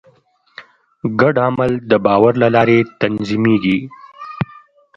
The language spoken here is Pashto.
ګډ عمل د باور له لارې تنظیمېږي.